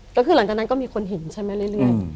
ก็คือหลังจากนั้นก็มีคนเห็นใช่ไหมเรื่อย